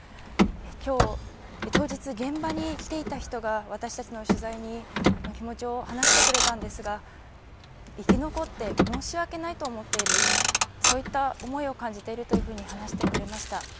今日、当日現場に来ていた人が、私たちの取材に気持ちを話してくれたんですが、生き残って申し訳ないと思っている、そういった思いを感じていると話してくれました。